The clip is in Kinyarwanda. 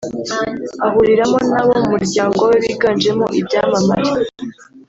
ahuriramo n’abo mu muryango we wiganjemo ibyamamare